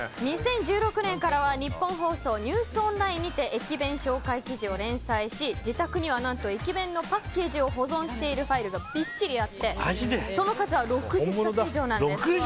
２０１６年からはニッポン放送ＮＥＷＳＯＮＬＩＮＥにて駅弁紹介記事を連載し自宅には何と駅弁のパッケージを保存しているファイルがびっしりあってその数は６０冊以上です。